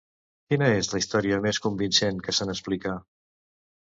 Quina és la història més convincent que se n'explica?